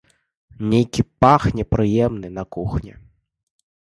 Нейкі пах непрыемны на кухні.